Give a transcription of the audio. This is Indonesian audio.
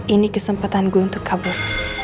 ini kesempatan gue untuk kabur